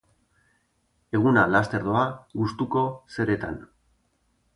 Eguna laster doa gustuko zeretan.